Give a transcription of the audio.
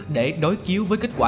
để đối chiếu với kết quả